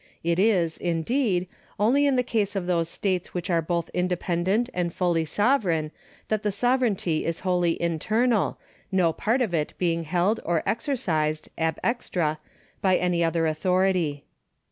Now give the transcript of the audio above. It is, indeed, only in the case of those states which are both independent and fully sovereign that the sovereignty h > wholly internal, no part of it being held or exercised ah extra by any other authority.